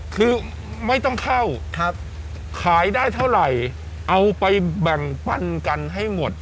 คือไม่ต้องเข้าขายได้เท่าไหร่เอาไปแบ่งปันกันให้หมด